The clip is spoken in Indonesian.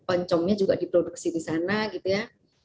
oncomnya juga diproduksi di sana gitu ya